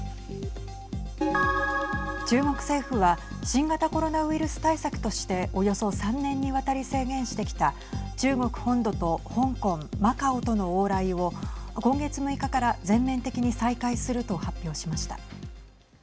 中国政府は新型コロナウイルス対策としておよそ３年にわたり制限してきた中国本土と香港マカオとの往来を今月６日から全面的に再開すると発表しました。